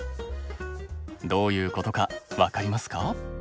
どういうことか分かりますか？